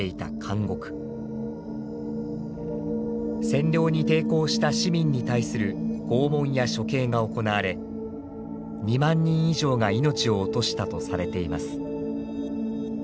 占領に抵抗した市民に対する拷問や処刑が行われ２万人以上が命を落としたとされています。